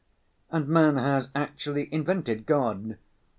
_ And man has actually invented God.